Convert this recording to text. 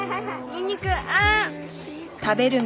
ニンニクあーん。